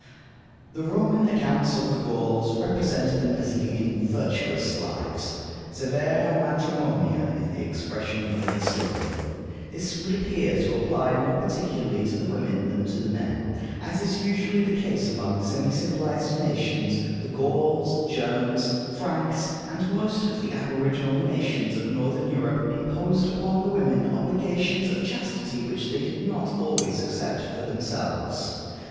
The Roman accounts of the Gauls represent them as leading virtuous lives. Severa matrimonia is the expression of the historian. This would appear to apply more particularly to the women than the men. As is usually the case among semi civilized nations, the Gauls, Germans, Franks, and most of the aboriginal nations of Northern Europe imposed upon the women obligations of chastity which they did not always accept for themselves.